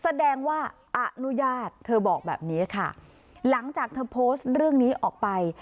แสดงว่าอนุญาตเธอบอกแบบนี้ค่ะหลังจากเธอโพสต์เรื่องนี้ออกไป